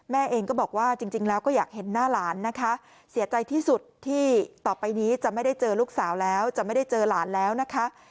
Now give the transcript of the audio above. เองก็บอกว่าจริงแล้วก็อยากเห็นหน้าหลานนะคะเสียใจที่สุดที่ต่อไปนี้จะไม่ได้เจอลูกสาวแล้วจะไม่ได้เจอหลานแล้วนะคะ